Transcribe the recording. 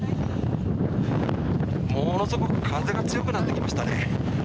ものすごく風が強くなってきましたね。